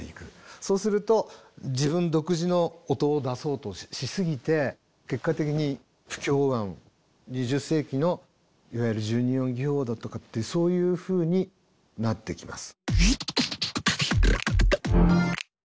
そうすると自分独自の音を出そうとしすぎて結果的に不協和音２０世紀のいわゆる十二音技法だとかってそういうふうになってきます。